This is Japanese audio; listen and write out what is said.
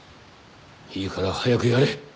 いいから早くやれ！